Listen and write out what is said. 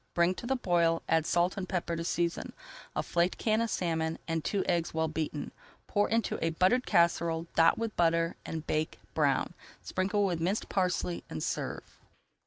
Bring to the boil, [Page 304] add salt and pepper to season, a flaked can of salmon, and two eggs well beaten. Pour into a buttered casserole, dot with butter, and bake brown. Sprinkle with minced parsley and serve.